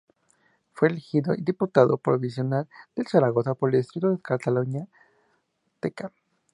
Fue elegido Diputado Provincial de Zaragoza por el distrito de Calatayud-Ateca.